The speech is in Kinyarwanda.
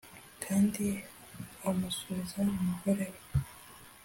Kandi amusubiza umugore we